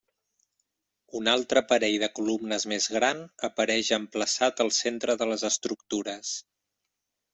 Un altre parell de columnes més gran apareix emplaçat al centre de les estructures.